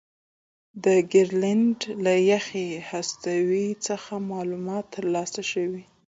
د ګرینلنډ له یخي هستو څخه معلومات ترلاسه شوي